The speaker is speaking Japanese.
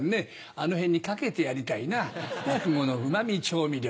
あの辺に掛けてやりたいな落語のうま味調味料。